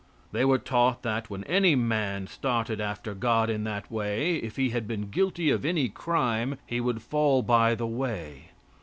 They were taught that, when any man started after God in that way, if he had been guilty of any crime he would fall by the way.